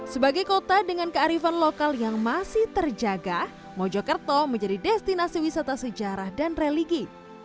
sebagai kota dengan kearifan lokal yang masih terjaga mojokerto menjadi destinasi wisata sejarah dan religi